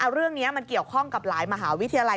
เรื่องนี้มันเกี่ยวข้องกับหลายมหาวิทยาลัย